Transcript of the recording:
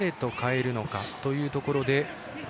誰と代えるのかというところで。